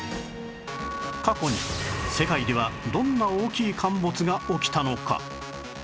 過去に世界ではどんな大きい陥没が起きたのか？